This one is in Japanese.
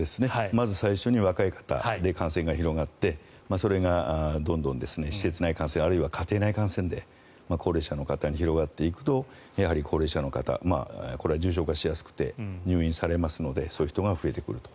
まず最初に若い方で感染が広がってそれが、どんどん施設内感染あるいは家庭内感染で高齢者の方に広がっていくとやはり高齢者の方これは重症化しやすくて入院されますのでそういう人が増えてくると。